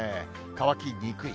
乾きにくい。